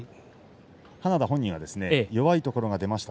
花田本人は弱いところが出ました